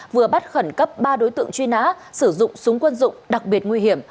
vừa bắt khẩn cấp ba đối tượng truy nã sử dụng súng quân dụng đặc biệt nguy hiểm